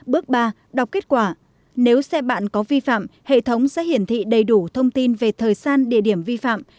bước ba đọc kết quả nếu xe bạn có vi phạm hệ thống sẽ hiển thị đầy đủ thông tin về thời gian địa điểm vi phạm